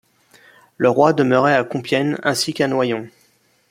Le roi demeurait à Compiègne ainsi qu'à Noyon.